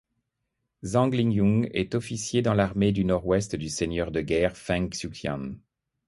Zhang Lingyun est officier dans l'armée du Nord-Ouest du seigneur de guerre Feng Yuxiang.